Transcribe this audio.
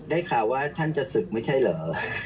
ได้ข่าวว่าท่านจะศึกไม่ใช่เหรอ